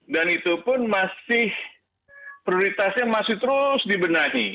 dan itu pun masih prioritasnya masih terus dibenahi